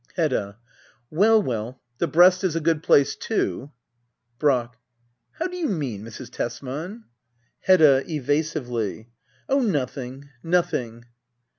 Hedda. Well, well — the breast is a good place^ too. Brack. How do you mean, Mrs. Tesman ? Hedda. [Evasively,'] Oh, nothing — nothing.